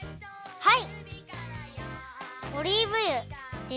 はい。